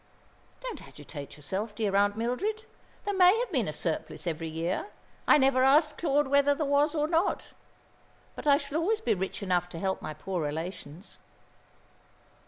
"Don't agitate yourself, dear Aunt Mildred. There may have been a surplus every year. I never asked Claude whether there was or not. But I shall always be rich enough to help my poor relations."